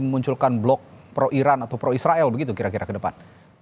memunculkan blok pro iran atau pro israel begitu kira kira ke depan